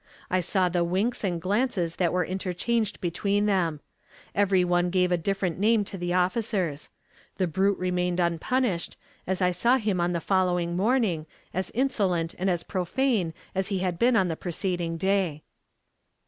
I saw the winks and glances that were interchanged between them. Every one gave a different name to the officers. The brute remained unpunished, as I saw him on the following morning, as insolent and as profane as he had been on the preceding day.